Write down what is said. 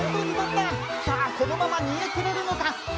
さあ、このまま逃げるのか。